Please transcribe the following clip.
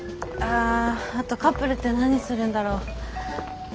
ああとカップルって何するんだろう？